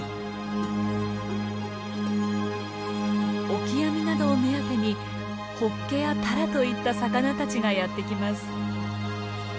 オキアミなどを目当てにホッケやタラといった魚たちがやって来ます。